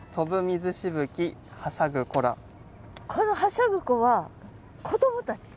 この「はしゃぐ子」は子どもたち？